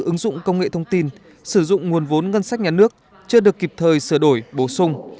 ứng dụng công nghệ thông tin sử dụng nguồn vốn ngân sách nhà nước chưa được kịp thời sửa đổi bổ sung